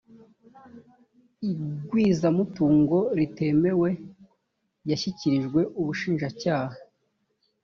igwizamutungo ritemewe yashyikirijwe ubushinjacyaha